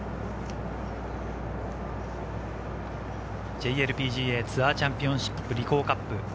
ＪＬＰＧＡツアーチャンピオンシップリコーカップ。